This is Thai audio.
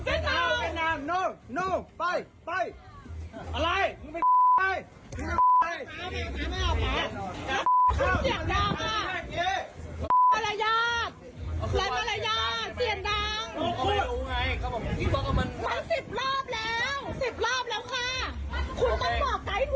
คุณจะเอาเข้าตัวคุณไม่ได้